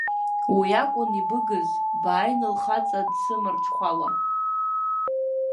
Уи акәын ибыгыз, бааины лхаҵа дсымарҽхәала.